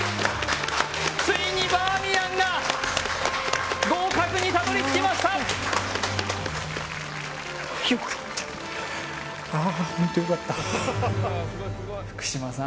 ついにバーミヤンが合格にたどり着きました福島さん